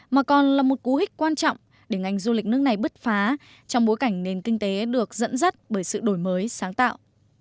mà còn là một cú hích quan trọng để ngành du lịch nước này bứt phá trong bối cảnh nền kinh tế được dẫn dắt bởi sự đổi mới sáng tạo